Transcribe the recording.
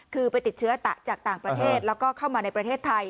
คือไปติดเชื้อจากต่างประเทศแล้วก็เข้ามาในประเทศไทย